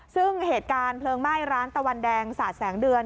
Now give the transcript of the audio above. ซึ่งเหตุการณ์เพลิงไหม้ร้านตะวันแดงสาดแสงเดือน